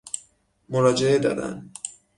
مراجعه دادن